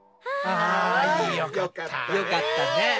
ああよかったね。